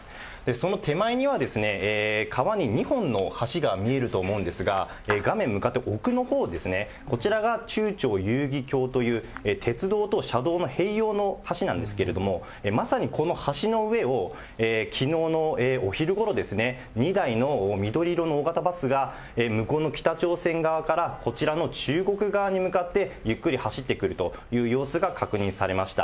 その手前には、川に２本の橋が見えると思うんですが、画面向かって奥のほうですね、こちらが中朝友誼橋という鉄道と車道の併用の橋なんですけど、まさにこの橋の上を、きのうのお昼ごろですね、２台の緑色の大型バスが、向こうの北朝鮮側からこちらの中国側に向かってゆっくり走ってくるという様子が確認されました。